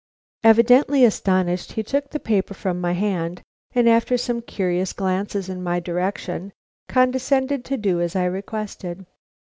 Evidently astonished, he took the paper from my hand, and, after some curious glances in my direction, condescended to do as I requested.